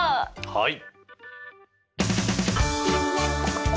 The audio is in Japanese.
はい！